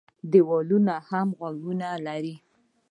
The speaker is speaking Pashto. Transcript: ـ دیوالونه هم غوږونه لري.